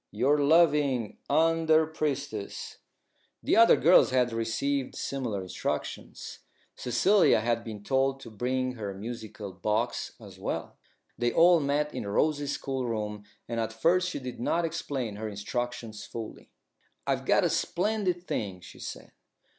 Your loving "UNDER PRIESTESS." The other girls had received similar instructions. Cecilia had been told to bring her musical box as well. They all met in Rose's schoolroom, and at first she did not explain her instructions fully. "I've got a splendid thing," she said.